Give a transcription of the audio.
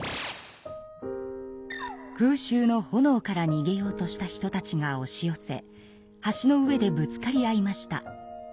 空襲のほのおからにげようとした人たちがおし寄せ橋の上でぶつかり合いました。